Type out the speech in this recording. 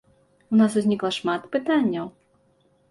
У нас узнікла шмат пытанняў.